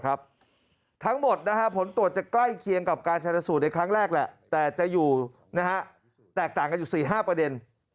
ทั้งหมดผลตรวจจะใกล้เคียงกับการชนสูตรในครั้งแรกแหละแต่จะอยู่แตกต่างกันอยู่๔๕ประเด็น